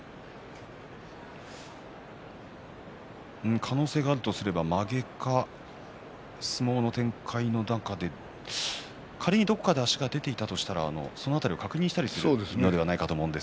可能性があるとすればまげか相撲の展開の中で仮にどこかで足が出ていたとしたら、そのあとで確認したりするのではないかと思います。